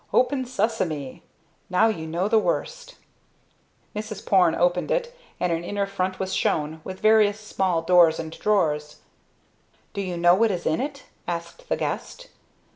"Open, Sesame! Now you know the worst." Mrs. Porne opened it, and an inner front was shown, with various small doors and drawers. "Do you know what is in it?" asked the guest.